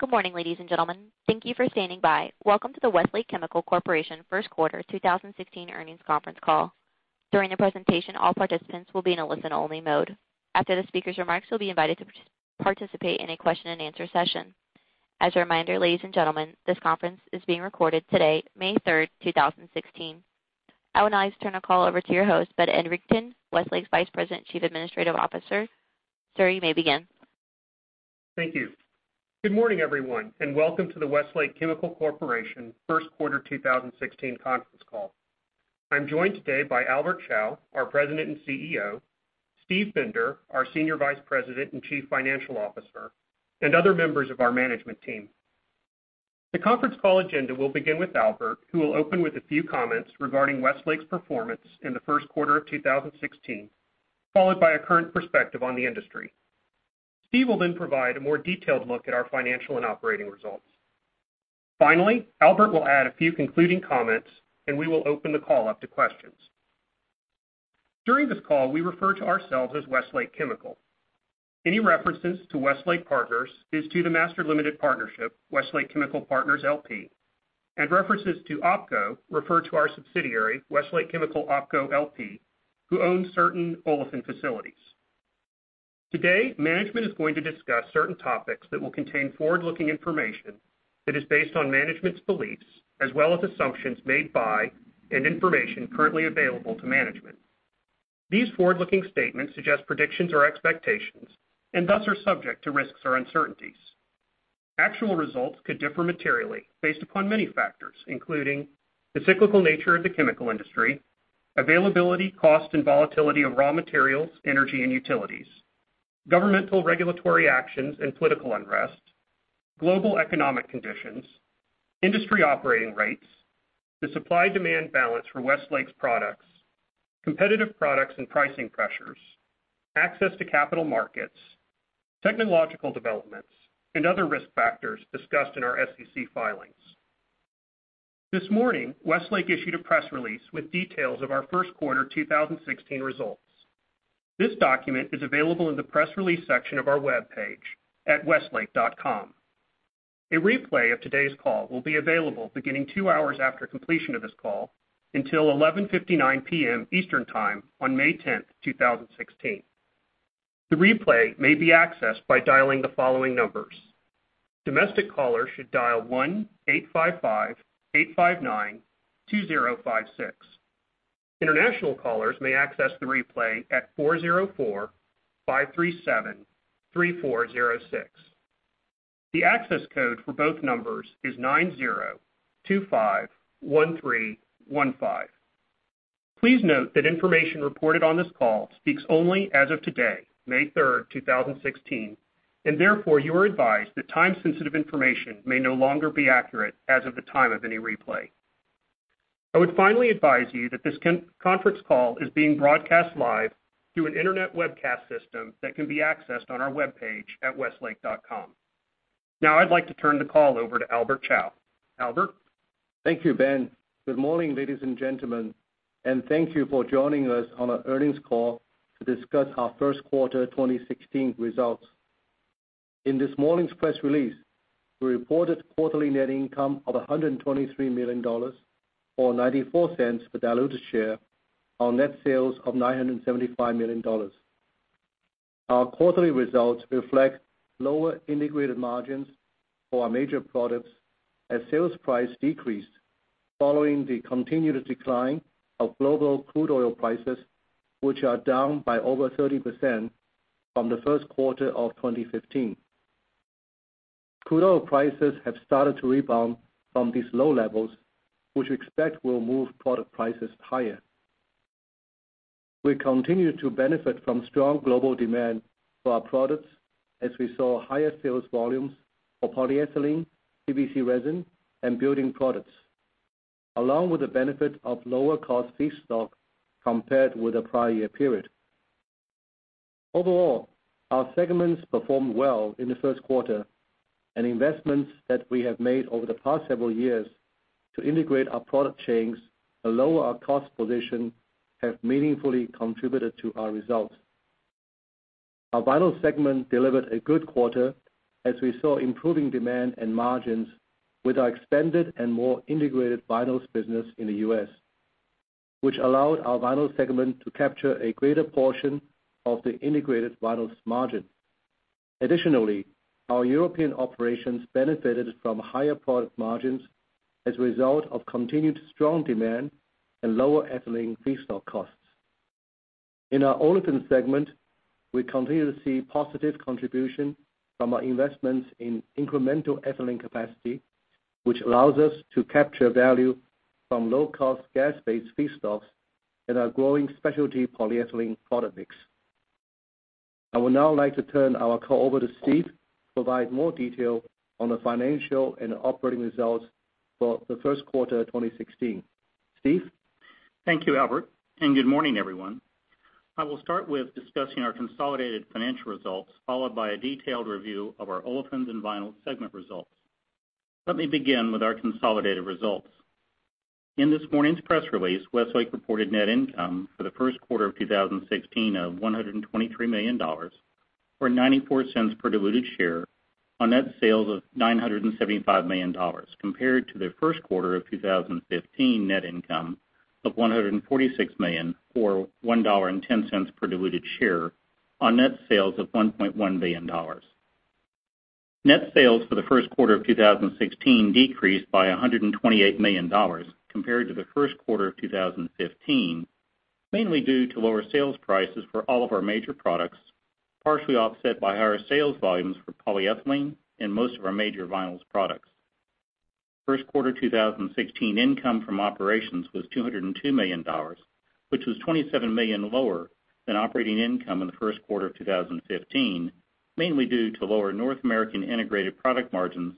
Good morning, ladies and gentlemen. Thank you for standing by. Welcome to the Westlake Chemical Corporation First Quarter 2016 earnings conference call. During the presentation, all participants will be in a listen-only mode. After the speakers' remarks, you'll be invited to participate in a question-and-answer session. As a reminder, ladies and gentlemen, this conference is being recorded today, May 3rd, 2016. I would now like to turn the call over to your host, Ben Ederington, Westlake's Vice President, Chief Administrative Officer. Sir, you may begin. Thank you. Good morning, everyone, and welcome to the Westlake Chemical Corporation First Quarter 2016 conference call. I'm joined today by Albert Chao, our President and CEO, Steve Bender, our Senior Vice President and Chief Financial Officer, and other members of our management team. The conference call agenda will begin with Albert, who will open with a few comments regarding Westlake's performance in the first quarter of 2016, followed by a current perspective on the industry. Steve will provide a more detailed look at our financial and operating results. Finally, Albert will add a few concluding comments, and we will open the call up to questions. During this call, we refer to ourselves as Westlake Chemical. Any references to Westlake Partners is to the master limited partnership, Westlake Chemical Partners LP, and references to OpCo refer to our subsidiary, Westlake Chemical OpCo LP, who owns certain olefin facilities. Today, management is going to discuss certain topics that will contain forward-looking information that is based on management's beliefs, as well as assumptions made by and information currently available to management. These forward-looking statements suggest predictions or expectations, and thus, are subject to risks or uncertainties. Actual results could differ materially based upon many factors, including the cyclical nature of the chemical industry, availability, cost, and volatility of raw materials, energy, and utilities, governmental regulatory actions and political unrest, global economic conditions, industry operating rates, the supply-demand balance for Westlake's products, competitive products and pricing pressures, access to capital markets, technological developments, and other risk factors discussed in our SEC filings. This morning, Westlake issued a press release with details of our first quarter 2016 results. This document is available in the press release section of our webpage at westlake.com. A replay of today's call will be available beginning two hours after completion of this call until 11:59 P.M. Eastern Time on May 10th, 2016. The replay may be accessed by dialing the following numbers. Domestic callers should dial 1-855-859-2056. International callers may access the replay at 404-537-3406. The access code for both numbers is 90251315. Please note that information reported on this call speaks only as of today, May 3rd, 2016, and therefore you are advised that time-sensitive information may no longer be accurate as of the time of any replay. I would finally advise you that this conference call is being broadcast live through an internet webcast system that can be accessed on our webpage at westlake.com. Now I'd like to turn the call over to Albert Chao. Albert? Thank you, Ben. Good morning, ladies and gentlemen, and thank you for joining us on our earnings call to discuss our first quarter 2016 results. In this morning's press release, we reported quarterly net income of $123 million, or $0.94 per diluted share, on net sales of $975 million. Our quarterly results reflect lower integrated margins for our major products as sales price decreased following the continued decline of global crude oil prices, which are down by over 30% from the first quarter of 2015. Crude oil prices have started to rebound from these low levels, which we expect will move product prices higher. We continue to benefit from strong global demand for our products as we saw higher sales volumes for polyethylene, PVC resin, and Building Products, along with the benefit of lower cost feedstock compared with the prior year period. Overall, our segments performed well in the first quarter. Investments that we have made over the past several years to integrate our product chains and lower our cost position have meaningfully contributed to our results. Our vinyls segment delivered a good quarter as we saw improving demand and margins with our expanded and more integrated vinyls business in the U.S., which allowed our vinyls segment to capture a greater portion of the integrated vinyls margin. Additionally, our European operations benefited from higher product margins as a result of continued strong demand and lower ethylene feedstock costs. In our olefins segment, we continue to see positive contribution from our investments in incremental ethylene capacity, which allows us to capture value from low-cost gas-based feedstocks and our growing specialty polyethylene product mix. I would now like to turn our call over to Steve to provide more detail on the financial and operating results for the first quarter 2016. Steve? Thank you, Albert. Good morning, everyone. I will start with discussing our consolidated financial results, followed by a detailed review of our olefins and vinyls segment results. Let me begin with our consolidated results. In this morning's press release, Westlake reported net income for the first quarter of 2016 of $123 million, or $0.94 per diluted share on net sales of $975 million, compared to the first quarter of 2015 net income of $146 million, or $1.10 per diluted share on net sales of $1.1 billion. Net sales for the first quarter of 2016 decreased by $128 million compared to the first quarter of 2015, mainly due to lower sales prices for all of our major products, partially offset by higher sales volumes for polyethylene and most of our major vinyls products. First quarter 2016 income from operations was $202 million, which was $27 million lower than operating income in the first quarter of 2015, mainly due to lower North American integrated product margins,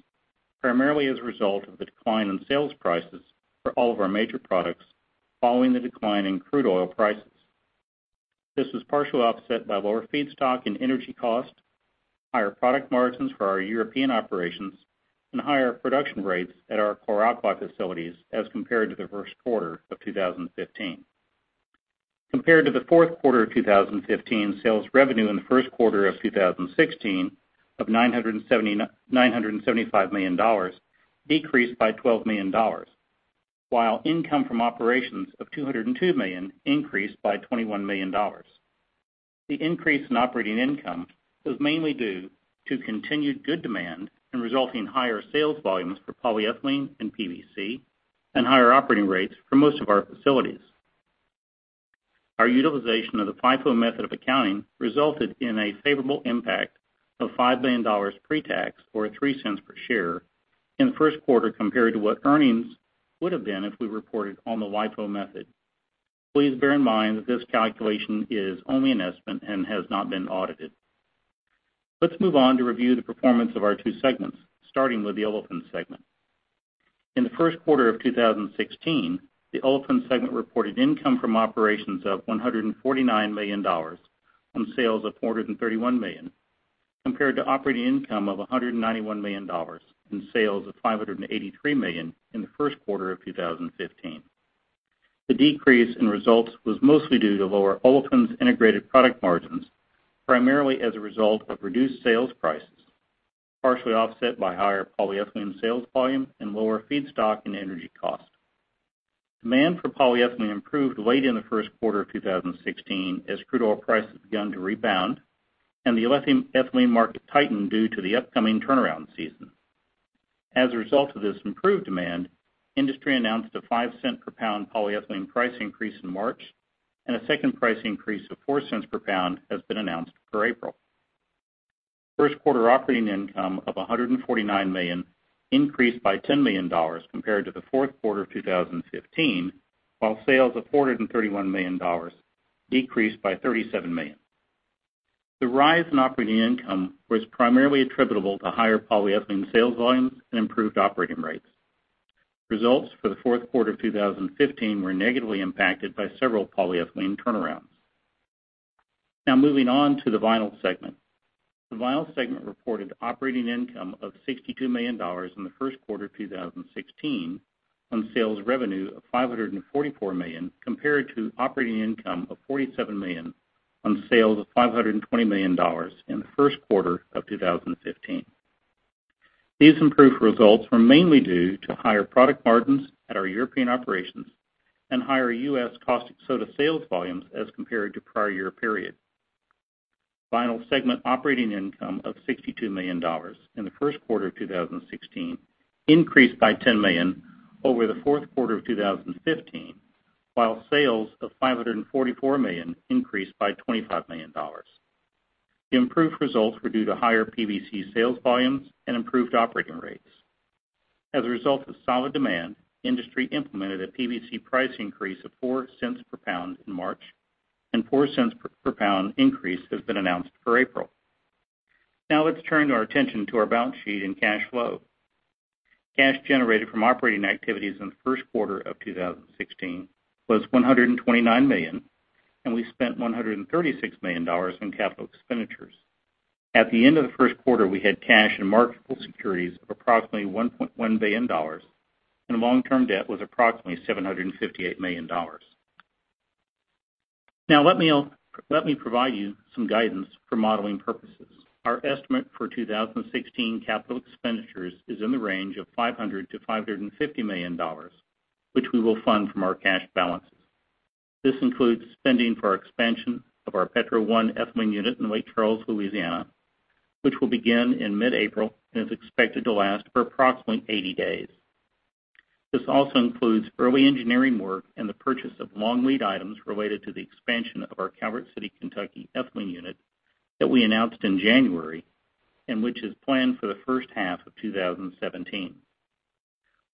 primarily as a result of the decline in sales prices for all of our major products following the decline in crude oil prices. This was partially offset by lower feedstock and energy cost, higher product margins for our European operations, and higher production rates at our chlor-alkali facilities as compared to the first quarter of 2015. Compared to the fourth quarter of 2015, sales revenue in the first quarter of 2016 of $975 million decreased by $12 million, while income from operations of $202 million increased by $21 million. The increase in operating income was mainly due to continued good demand and resulting higher sales volumes for polyethylene and PVC, and higher operating rates for most of our facilities. Our utilization of the FIFO method of accounting resulted in a favorable impact of $5 million pre-tax, or $0.03 per share in the first quarter, compared to what earnings would've been if we reported on the LIFO method. Please bear in mind that this calculation is only an estimate and has not been audited. Let's move on to review the performance of our two segments, starting with the Olefins segment. In the first quarter of 2016, the Olefins segment reported income from operations of $149 million on sales of $431 million, compared to operating income of $191 million and sales of $583 million in the first quarter of 2015. The decrease in results was mostly due to lower Olefins integrated product margins, primarily as a result of reduced sales prices, partially offset by higher polyethylene sales volume and lower feedstock and energy cost. Demand for polyethylene improved late in the first quarter of 2016 as crude oil prices began to rebound and the ethylene market tightened due to the upcoming turnaround season. As a result of this improved demand, the industry announced a $0.05 per pound polyethylene price increase in March, and a second price increase of $0.04 per pound has been announced for April. First quarter operating income of $149 million increased by $10 million compared to the fourth quarter of 2015, while sales of $431 million decreased by $37 million. The rise in operating income was primarily attributable to higher polyethylene sales volumes and improved operating rates. Results for the fourth quarter of 2015 were negatively impacted by several polyethylene turnarounds. Moving on to the Vinyls segment. The Vinyls segment reported operating income of $62 million in the first quarter of 2016 on sales revenue of $544 million, compared to operating income of $47 million on sales of $520 million in the first quarter of 2015. These improved results were mainly due to higher product margins at our European operations and higher U.S. caustic soda sales volumes as compared to prior year period. Vinyls segment operating income of $62 million in the first quarter of 2016 increased by $10 million over the fourth quarter of 2015, while sales of $544 million increased by $25 million. The improved results were due to higher PVC sales volumes and improved operating rates. As a result of solid demand, the industry implemented a PVC price increase of $0.04 per pound in March, and a $0.04 per pound increase has been announced for April. Let's turn our attention to our balance sheet and cash flow. Cash generated from operating activities in the first quarter of 2016 was $129 million, and we spent $136 million in capital expenditures. At the end of the first quarter, we had cash and marketable securities of approximately $1.1 billion and long-term debt was approximately $758 million. Let me provide you some guidance for modeling purposes. Our estimate for 2016 capital expenditures is in the range of $500 million-$550 million, which we will fund from our cash balances. This includes spending for expansion of our Petro 1 ethylene unit in Lake Charles, Louisiana, which will begin in mid-April and is expected to last for approximately 80 days. This also includes early engineering work and the purchase of long lead items related to the expansion of our Calvert City, Kentucky, ethylene unit that we announced in January and which is planned for the first half of 2017.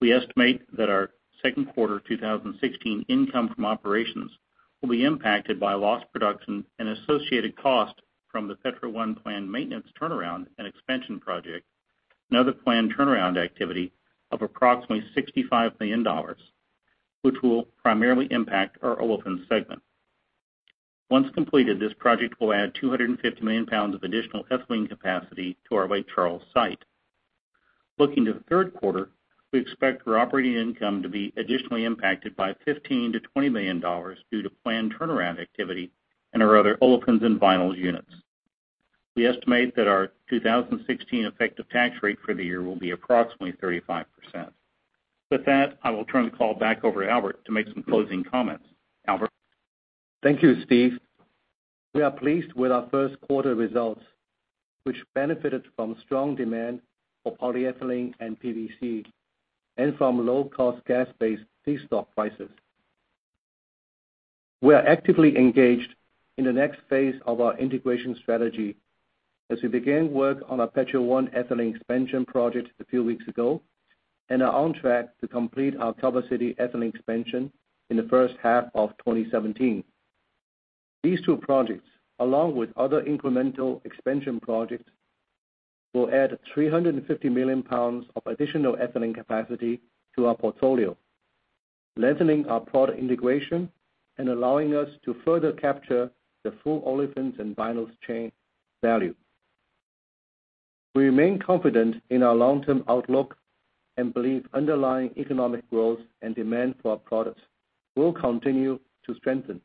We estimate that our second quarter 2016 income from operations will be impacted by lost production and associated cost from the Petro 1 planned maintenance turnaround and expansion project, and other planned turnaround activity of approximately $65 million, which will primarily impact our Olefins segment. Once completed, this project will add 250 million pounds of additional ethylene capacity to our Lake Charles site. Looking to the third quarter, we expect our operating income to be additionally impacted by $15 million-$20 million due to planned turnaround activity in our other Olefins and Vinyls units. We estimate that our 2016 effective tax rate for the year will be approximately 35%. With that, I will turn the call back over to Albert to make some closing comments. Albert? Thank you, Steve. We are pleased with our first quarter results, which benefited from strong demand for polyethylene and PVC, and from low-cost gas-based feedstock prices. We are actively engaged in the next phase of our integration strategy as we began work on our Petro 1 ethylene expansion project a few weeks ago, and are on track to complete our Calvert City ethylene expansion in the first half of 2017. These two projects, along with other incremental expansion projects, will add 350 million pounds of additional ethylene capacity to our portfolio, lessening our product integration and allowing us to further capture the full olefins and vinyls chain value. We remain confident in our long-term outlook and believe underlying economic growth and demand for our products will continue to strengthen.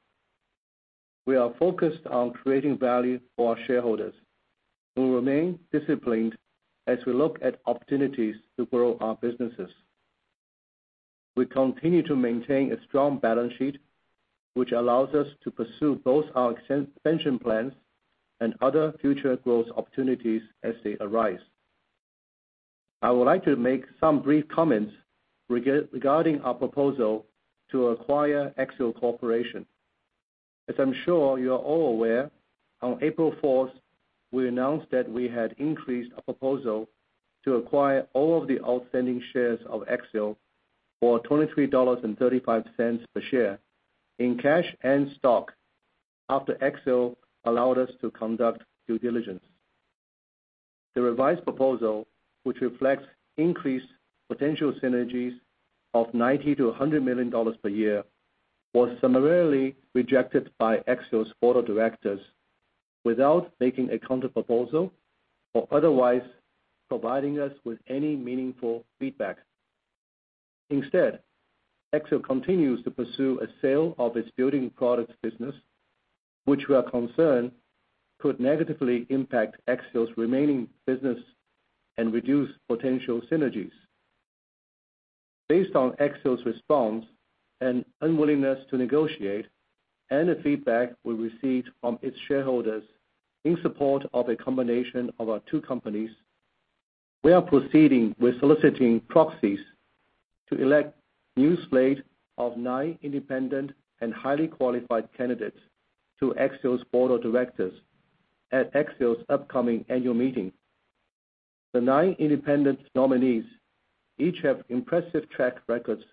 We are focused on creating value for our shareholders and will remain disciplined as we look at opportunities to grow our businesses. We continue to maintain a strong balance sheet, which allows us to pursue both our expansion plans and other future growth opportunities as they arise. I would like to make some brief comments regarding our proposal to acquire Axiall Corporation. As I'm sure you are all aware, on April 4th, we announced that we had increased our proposal to acquire all of the outstanding shares of Axiall for $23.35 per share in cash and stock after Axiall allowed us to conduct due diligence. The revised proposal, which reflects increased potential synergies of $90 million-$100 million per year, was summarily rejected by Axiall's board of directors without making a counter proposal or otherwise providing us with any meaningful feedback. Instead, Axiall continues to pursue a sale of its Building Products business, which we are concerned could negatively impact Axiall's remaining business and reduce potential synergies. Based on Axiall's response and unwillingness to negotiate, and the feedback we received from its shareholders in support of a combination of our two companies, we are proceeding with soliciting proxies to elect a new slate of nine independent and highly qualified candidates to Axiall's board of directors at Axiall's upcoming annual meeting. The nine independent nominees each have impressive track records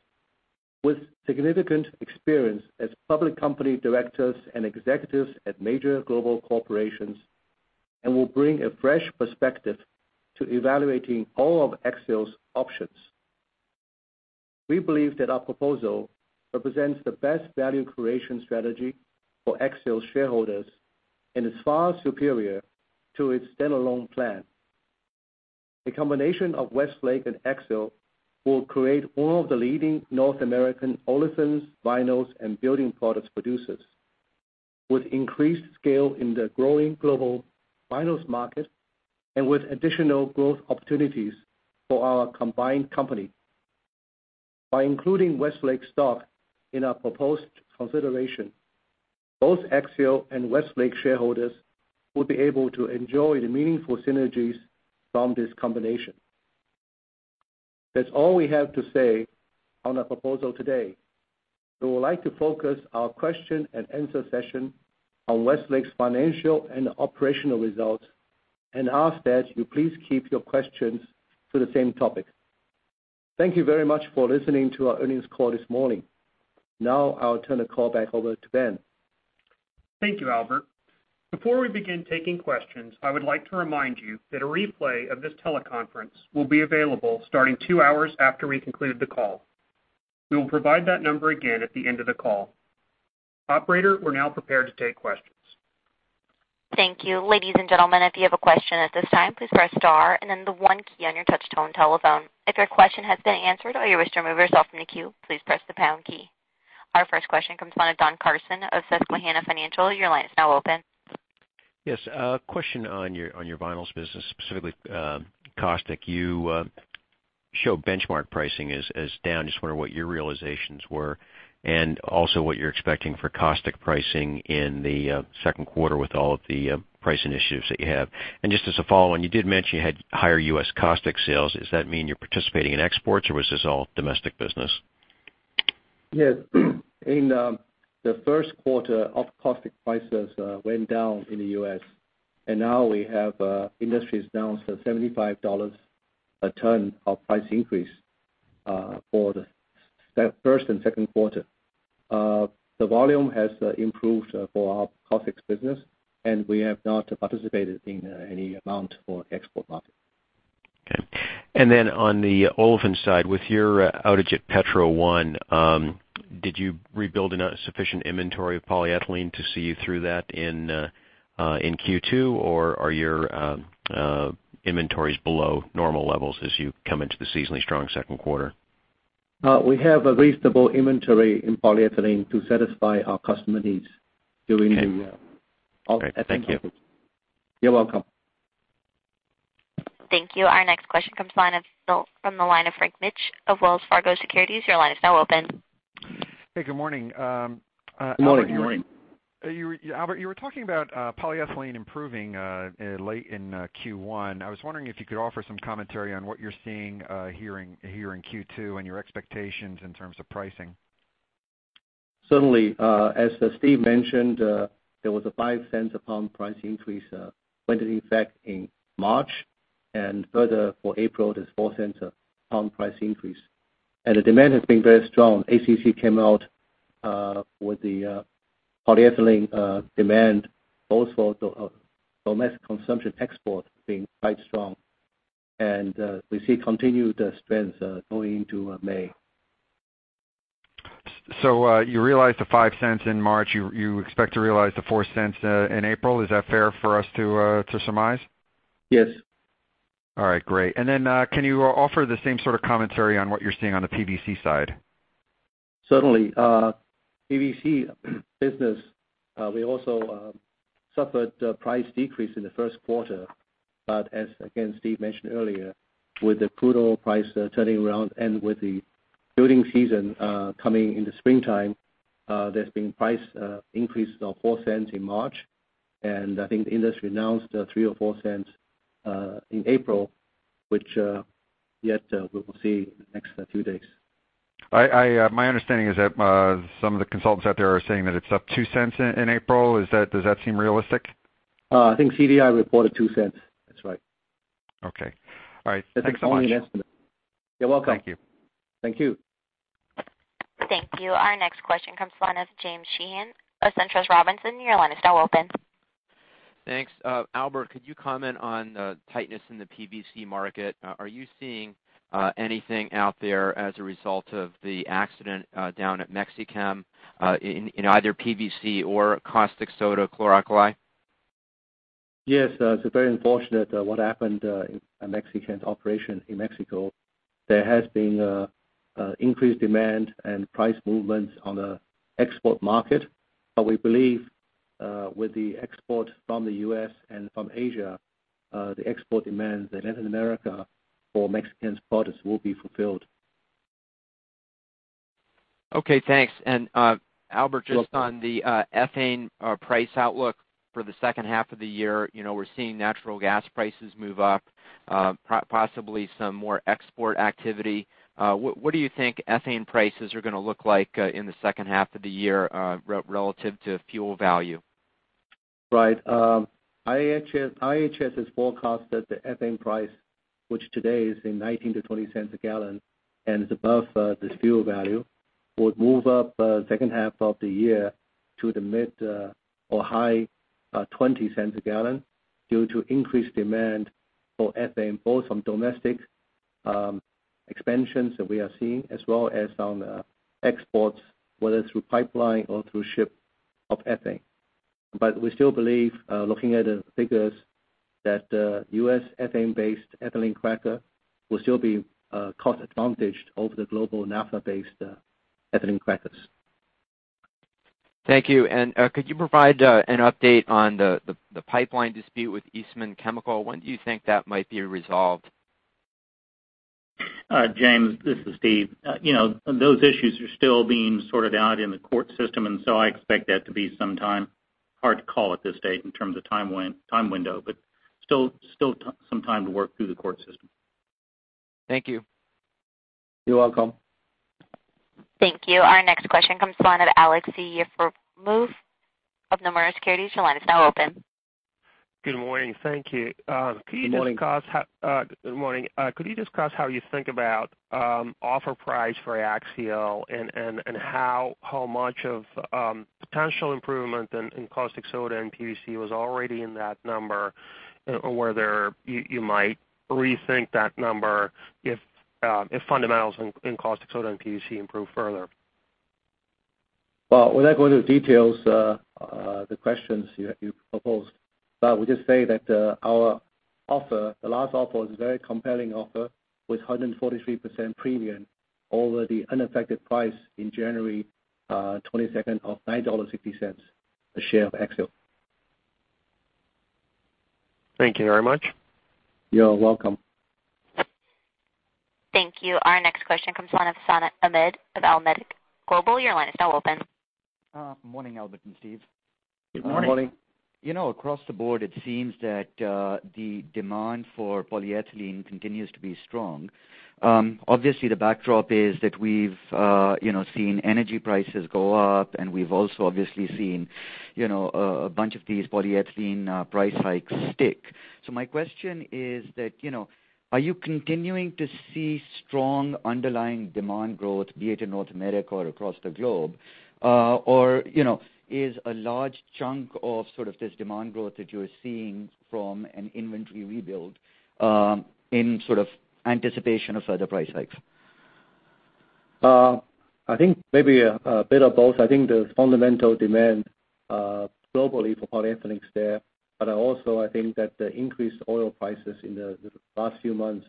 with significant experience as public company directors and executives at major global corporations and will bring a fresh perspective to evaluating all of Axiall's options. We believe that our proposal represents the best value creation strategy for Axiall's shareholders and is far superior to its standalone plan. The combination of Westlake and Axiall will create one of the leading North American olefins, vinyls, and Building Products producers, with increased scale in the growing global vinyls market and with additional growth opportunities for our combined company. By including Westlake stock in our proposed consideration, both Axiall and Westlake shareholders will be able to enjoy the meaningful synergies from this combination. That's all we have to say on our proposal today. We would like to focus our question and answer session on Westlake's financial and operational results and ask that you please keep your questions to the same topic. Thank you very much for listening to our earnings call this morning. Now I'll turn the call back over to Ben. Thank you, Albert. Before we begin taking questions, I would like to remind you that a replay of this teleconference will be available starting 2 hours after we conclude the call. We will provide that number again at the end of the call. Operator, we're now prepared to take questions. Thank you. Ladies and gentlemen, if you have a question at this time, please press star and then the 1 key on your touch tone telephone. If your question has been answered or you wish to remove yourself from the queue, please press the pound key. Our first question comes from the line of Don Carson of Susquehanna Financial. Your line is now open. Yes. A question on your vinyls business, specifically caustic. You show benchmark pricing is down. Just wonder what your realizations were, and also what you're expecting for caustic pricing in the second quarter with all of the pricing initiatives that you have. Just as a follow-on, you did mention you had higher U.S. caustic sales. Does that mean you're participating in exports, or was this all domestic business? Yes. In the first quarter, our caustic prices went down in the U.S. Now we have industries down to $75 a ton of price increase for the first and second quarter. The volume has improved for our caustics business. We have not participated in any amount for export market. On the olefin side, with your outage at Petro 1, did you rebuild a sufficient inventory of polyethylene to see you through that in Q2? Or are your inventories below normal levels as you come into the seasonally strong second quarter? We have a reasonable inventory in polyethylene to satisfy our customer needs during the year. Okay. All right. Thank you. You're welcome. Thank you. Our next question comes from the line of Frank Mitsch of Wells Fargo Securities. Your line is now open. Hey, good morning. Good morning. Albert, you were talking about polyethylene improving late in Q1. I was wondering if you could offer some commentary on what you're seeing here in Q2, and your expectations in terms of pricing. Certainly. As Steve mentioned, there was a $0.05 a pound price increase went in effect in March. Further for April, there is a $0.04 a pound price increase. The demand has been very strong. ACC came out with the polyethylene demand, both for domestic consumption export being quite strong. We see continued spends going into May. You realized the $0.05 in March, you expect to realize the $0.04 in April. Is that fair for us to surmise? Yes. All right, great. Can you offer the same sort of commentary on what you are seeing on the PVC side? Certainly. PVC business we also suffered a price decrease in the first quarter. As, again, Steve mentioned earlier, with the crude oil price turning around and with the building season coming in the springtime, there has been price increase of $0.04 in March. I think the industry announced $0.03 or $0.04 in April, which yet we will see in the next few days. My understanding is that some of the consultants out there are saying that it's up $0.02 in April. Does that seem realistic? I think CDI reported $0.02. That's right. Okay. All right. Thanks so much. It's only an estimate. You're welcome. Thank you. Thank you. Thank you. Our next question comes from the line of James Sheehan of SunTrust Robinson. Your line is now open. Thanks. Albert, could you comment on the tightness in the PVC market? Are you seeing anything out there as a result of the accident down at Mexichem in either PVC or caustic soda, chlor-alkali? Yes. It's very unfortunate what happened in Mexichem operation in Mexico. There has been increased demand and price movements on the export market. We believe with the export from the U.S. and from Asia, the export demand in Latin America for Mexichem's products will be fulfilled. Okay, thanks. Albert- You're welcome. Just on the ethane price outlook for the second half of the year. We're seeing natural gas prices move up, possibly some more export activity. What do you think ethane prices are going to look like in the second half of the year relative to fuel value? Right. IHS has forecasted the ethane price, which today is in $0.19-$0.20 a gallon, and is above this fuel value, would move up second half of the year to the mid or high $0.20 a gallon due to increased demand for ethane, both from domestic expansions that we are seeing, as well as on exports, whether through pipeline or through ship of ethane. We still believe, looking at the figures, that U.S. ethane-based ethylene cracker will still be cost-advantaged over the global Naphtha-based ethylene crackers. Thank you. Could you provide an update on the pipeline dispute with Eastman Chemical? When do you think that might be resolved? James, this is Steve. Those issues are still being sorted out in the court system. I expect that to be some time. Hard to call at this date in terms of time window, still some time to work through the court system. Thank you. You're welcome. Thank you. Our next question comes from the line of Aleksey Yefremov of Nomura Securities. Your line is now open. Good morning. Thank you. Good morning. Good morning. Could you discuss how you think about offer price for Axiall and how much of potential improvement in caustic soda and PVC was already in that number? Whether you might rethink that number if fundamentals in caustic soda and PVC improve further? Well, without going into details the questions you proposed, we just say that our offer, the last offer, is a very compelling offer with 143% premium over the unaffected price in January 22nd of $9.60 a share of Axiall. Thank you very much. You are welcome. Thank you. Our next question comes from the line of Hassan Ahmed of Alembic Global Advisors. Your line is now open. Morning, Albert and Steve. Good morning. Good morning. Across the board, it seems that the demand for polyethylene continues to be strong. Obviously, the backdrop is that we've seen energy prices go up, and we've also obviously seen a bunch of these polyethylene price hikes stick. My question is that, are you continuing to see strong underlying demand growth, be it in North America or across the globe? Or is a large chunk of sort of this demand growth that you're seeing from an inventory rebuild in sort of anticipation of further price hikes? I think maybe a bit of both. I think there's fundamental demand globally for polyethylenes there. Also, I think that the increased oil prices in the past few months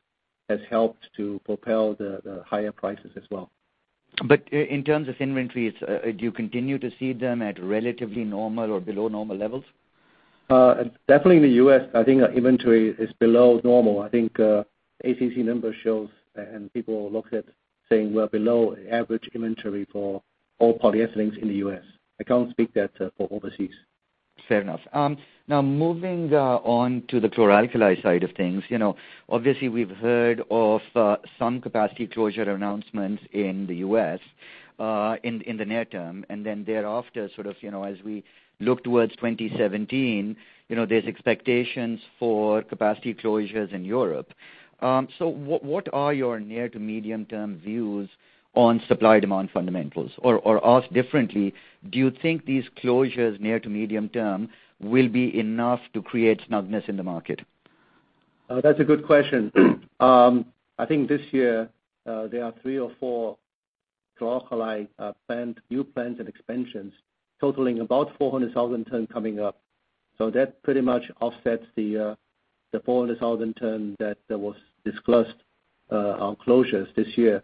has helped to propel the higher prices as well. In terms of inventories, do you continue to see them at relatively normal or below normal levels? Definitely in the U.S., I think our inventory is below normal. I think ACC numbers shows, and people look at saying we're below average inventory for all polyethylenes in the U.S. I can't speak that for overseas. Fair enough. Moving on to the chlor-alkali side of things. Obviously, we've heard of some capacity closure announcements in the U.S. in the near term, thereafter, as we look towards 2017, there's expectations for capacity closures in Europe. What are your near to medium term views on supply-demand fundamentals? Asked differently, do you think these closures near to medium term will be enough to create snugness in the market? That's a good question. I think this year, there are three or four chlor-alkali new plants and expansions totaling about 400,000 tons coming up. That pretty much offsets the 400,000 tons that there was disclosed on closures this year.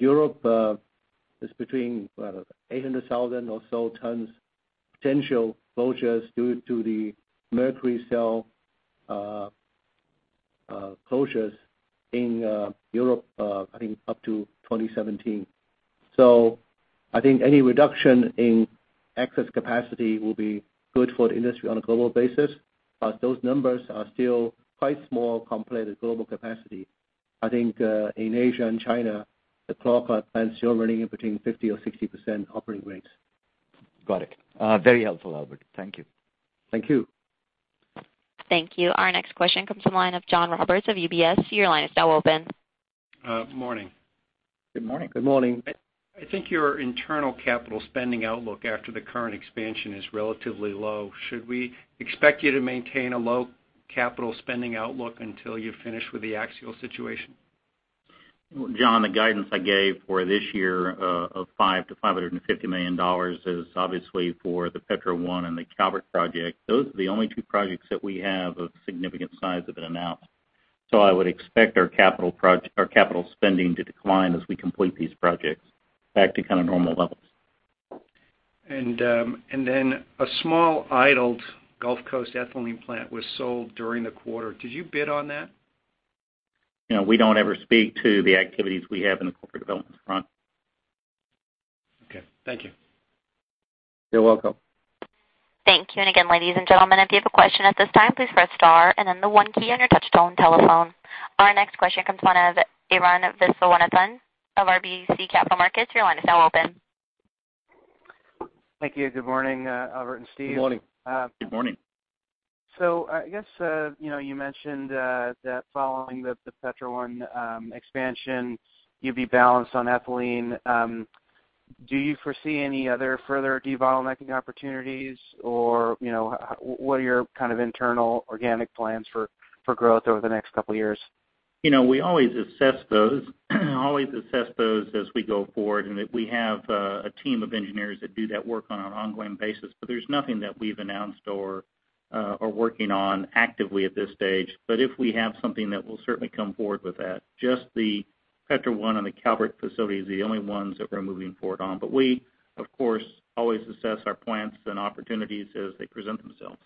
Europe is between 800,000 or so tons potential closures due to the mercury cell closures in Europe, I think up to 2017. I think any reduction in excess capacity will be good for the industry on a global basis. Those numbers are still quite small compared to global capacity. I think, in Asia and China, the chlor plants still running in between 50% or 60% operating rates. Got it. Very helpful, Albert. Thank you. Thank you. Thank you. Our next question comes from the line of John Roberts of UBS. Your line is now open. Morning. Good morning. Good morning. I think your internal capital spending outlook after the current expansion is relatively low. Should we expect you to maintain a low capital spending outlook until you're finished with the Axiall situation? John, the guidance I gave for this year of $500 million-$550 million is obviously for the Petro 1 and the Calvert project. Those are the only two projects that we have of significant size have been announced. I would expect our capital spending to decline as we complete these projects back to kind of normal levels. A small idled Gulf Coast ethylene plant was sold during the quarter. Did you bid on that? We don't ever speak to the activities we have in the corporate development front. Okay. Thank you. You're welcome. Thank you. Again, ladies and gentlemen, if you have a question at this time, please press star and then the one key on your touch-tone telephone. Our next question comes one of Arun Viswanathan of RBC Capital Markets. Your line is now open. Thank you. Good morning, Albert and Steve. Good morning. Good morning. I guess, you mentioned that following the Petro 1 expansion, you'd be balanced on ethylene. Do you foresee any other further debottlenecking opportunities or what are your kind of internal organic plans for growth over the next couple of years? We always assess those as we go forward, and that we have a team of engineers that do that work on an ongoing basis. There's nothing that we've announced or are working on actively at this stage. If we have something that we'll certainly come forward with that, just the Petro 1 and the Calvert facility is the only ones that we're moving forward on. We, of course, always assess our plans and opportunities as they present themselves.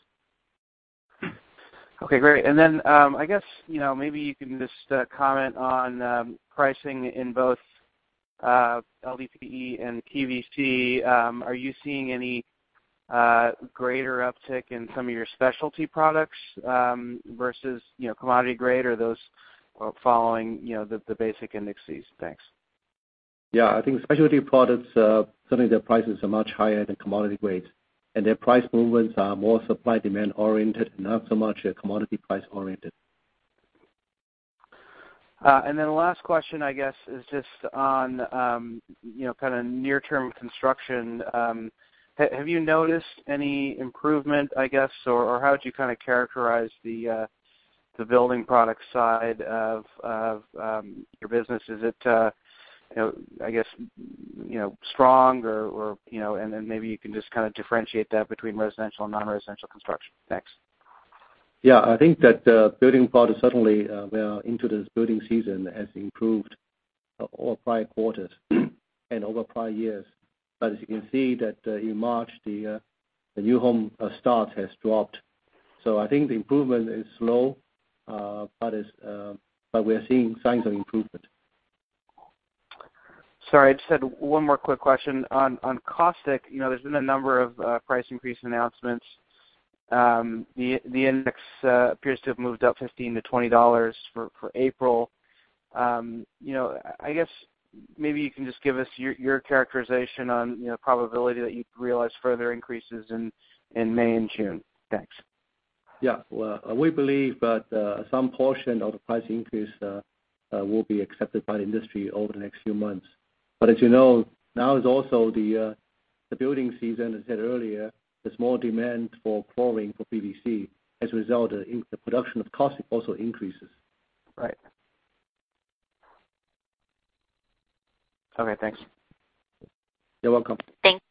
Okay, great. I guess, maybe you can just comment on pricing in both LDPE and PVC. Are you seeing any greater uptick in some of your specialty products versus commodity grade or those following the basic indices? Thanks. I think the specialty products, certainly their prices are much higher than commodity grades, and their price movements are more supply-demand oriented, not so much commodity price oriented. The last question, I guess, is just on kind of near term construction. Have you noticed any improvement, I guess, or how would you kind of characterize the building product side of your business? Is it strong or and then maybe you can just kind of differentiate that between residential and non-residential construction. Thanks. I think that Building Products certainly, we are into this building season has improved all prior quarters and over prior years. As you can see that in March, the new home start has dropped. I think the improvement is slow, but we're seeing signs of improvement. Sorry, just had one more quick question. On caustic, there's been a number of price increase announcements. The index appears to have moved up $15-$20 for April. I guess maybe you can just give us your characterization on probability that you realize further increases in May and June. Thanks. Yeah. We believe that some portion of the price increase will be accepted by the industry over the next few months. As you know, now is also the Building season, as I said earlier, there's more demand for chlorine for PVC. As a result, the production of caustic also increases. Right. Okay, thanks. You're welcome. Thank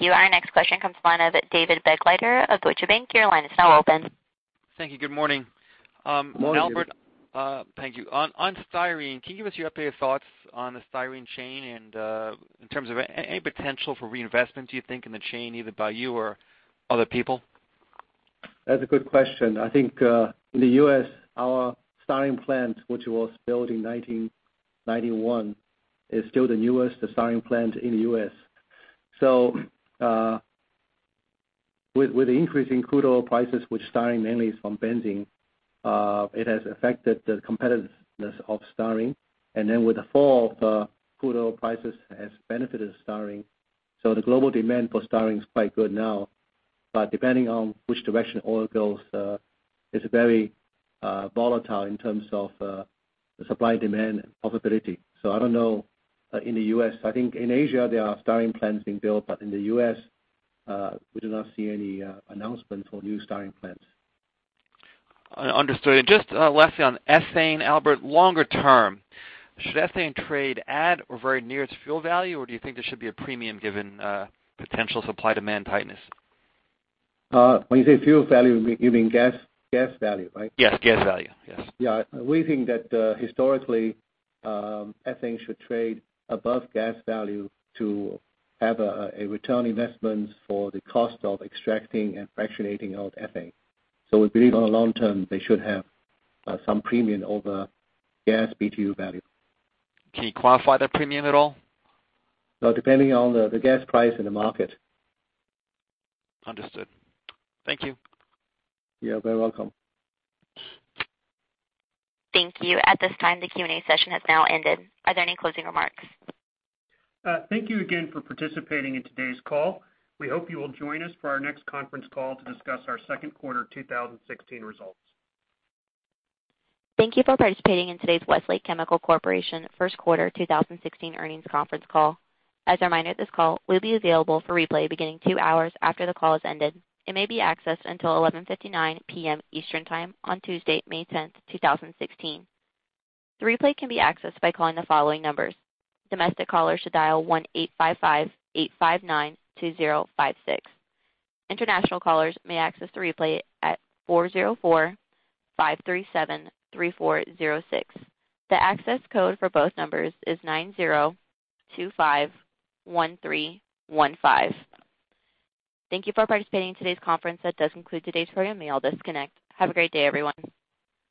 you. Our next question comes from the line of David Begleiter of Deutsche Bank. Your line is now open. Thank you. Good morning. Morning. Albert. Thank you. On styrene, can you give us your updated thoughts on the styrene chain and in terms of any potential for reinvestment, do you think, in the chain, either by you or other people? That's a good question. I think, in the U.S., our styrene plant, which was built in 1991, is still the newest styrene plant in the U.S. With the increase in crude oil prices, which styrene mainly is from benzene, it has affected the competitiveness of styrene. With the fall of the crude oil prices has benefited styrene. The global demand for styrene is quite good now. Depending on which direction oil goes, it's very volatile in terms of the supply-demand profitability. I don't know, in the U.S. I think in Asia, there are styrene plants being built, but in the U.S., we do not see any announcement for new styrene plants. Understood. Just lastly, on ethane, Albert, longer term, should ethane trade at or very near to fuel value? Do you think there should be a premium given potential supply-demand tightness? When you say fuel value, you mean gas value, right? Yes. Gas value. Yes. Yeah. We think that historically, ethane should trade above gas value to have a return on investment for the cost of extracting and fractionating out ethane. We believe on the long term, they should have some premium over gas BTU value. Can you quantify that premium at all? Well, depending on the gas price in the market. Understood. Thank you. You're very welcome. Thank you. At this time, the Q&A session has now ended. Are there any closing remarks? Thank you again for participating in today's call. We hope you will join us for our next conference call to discuss our second quarter 2016 results. Thank you for participating in today's Westlake Chemical Corporation first quarter 2016 earnings conference call. As a reminder, this call will be available for replay beginning two hours after the call has ended. It may be accessed until 11:59 P.M. Eastern Time on Tuesday, May 10th, 2016. The replay can be accessed by calling the following numbers. Domestic callers should dial 1-855-859-2056. International callers may access the replay at 404-537-3406. The access code for both numbers is 90251315. Thank you for participating in today's conference. That does conclude today's program. You may all disconnect. Have a great day, everyone.